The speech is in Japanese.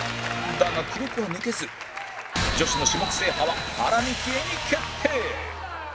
だが記録は抜けず女子の種目制覇は原幹恵に決定！